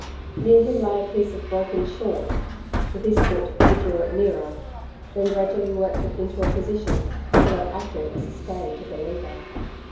Near him lay a piece broken short; with his foot he drew it nearer, then gradually worked it into a position, till it acted as a stay to the lever.